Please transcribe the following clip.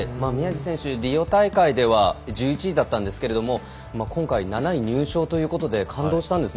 宮路選手、リオ大会では１１位だったんですけれど今回７位入賞ということで感動したんです。